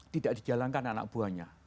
tidak dijalankan anak buahnya